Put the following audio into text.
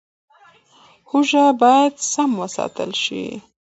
هوږه باید سم وساتل شي.